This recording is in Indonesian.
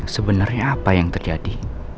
sebenarnya apa yang terjadi